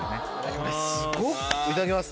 これすごっいただきます。